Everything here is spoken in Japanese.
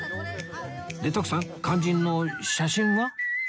で徳さん肝心の写真は？